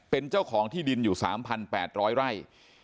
เป็นเจ้าของที่ดินอยู่๓๘๐๐ไร่